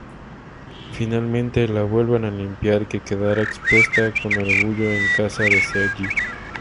Finalmente la vuelven a limpiar, que quedará expuesta con orgullo en casa de Serge.